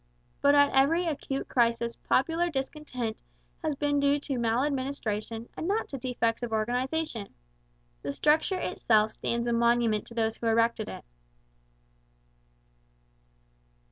But at every acute crisis popular discontent has been due to maladministration and not to defects of organization. The structure itself stands a monument to those who erected it.